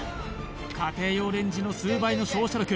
家庭用レンジの数倍の照射力